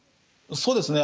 そうですね。